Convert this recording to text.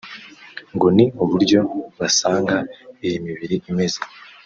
ngo ni uburyo basanga iyi mibiri imeze